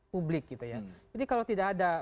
publik gitu ya jadi kalau tidak ada